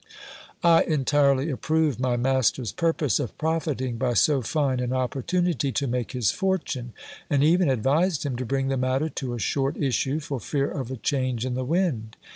I entirely approved my master's purpose of profiting by so fine an opportu nity to make his fortune, and even advised him to bring the matter to a short issue, for fear of a change in the wind.